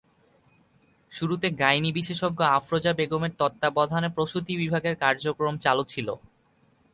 শুরুতে গাইনি বিশেষজ্ঞ আফরোজা বেগমের তত্ত্বাবধানে প্রসূতি বিভাগের কার্যক্রম চালু ছিল।